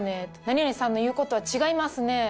「何々さんの言う事は違いますねえ」。